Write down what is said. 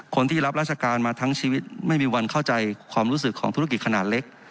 คนที่รับราชการมาทั้งชีวิตไม่มีวันเข้าใจความรู้สึกของธุรกิจขนาดเล็ก